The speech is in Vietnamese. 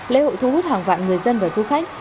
lễ hội thu hút hàng vạn người dân và du khách